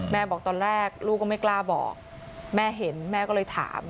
บอกตอนแรกลูกก็ไม่กล้าบอกแม่เห็นแม่ก็เลยถาม